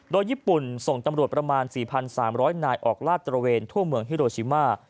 โดยญี่ปุ่นส่งตำรวจประมาณ๔๓๐๐นายออกลาดตระเวนทั่วเมืองฮิโรชิมา